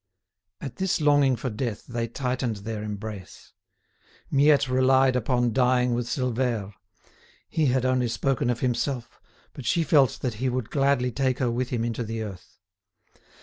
At this longing for death they tightened their embrace. Miette relied upon dying with Silvère; he had only spoken of himself, but she felt that he would gladly take her with him into the earth.